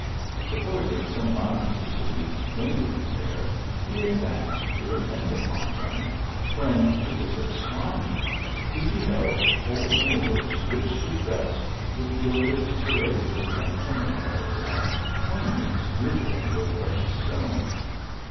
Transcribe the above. Supposing some loungers to be lingering there, he advanced to at tend upon them, when, to his astonishment, he be held four Moors richly dressed, with gilded cuirasses and scimitars, and poniards glittering with precious stones.